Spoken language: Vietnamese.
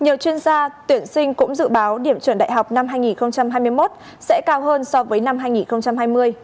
nhiều chuyên gia tuyển sinh cũng dự báo điểm chuẩn đại học năm hai nghìn hai mươi một sẽ cao hơn so với năm hai nghìn hai mươi